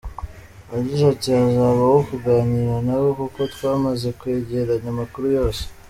Yagize ati “Hazabaho kuganira nabo kuko twamaze kwegeranya amakuru yose.